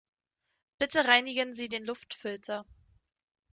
Bitte reinigen Sie den Luftfilter.